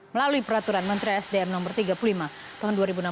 melalui peraturan menteri sdm no tiga puluh lima tahun dua ribu enam belas